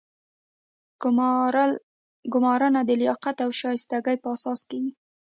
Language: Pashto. ګمارنه د لیاقت او شایستګۍ په اساس کیږي.